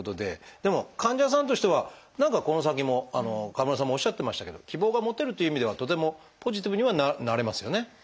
でも患者さんとしては何かこの先も川村さんもおっしゃってましたけど希望が持てるという意味ではとてもポジティブにはなれますよね。